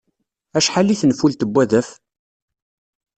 Acḥal i tenfult n wadaf?